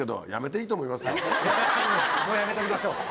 もうやめときましょう。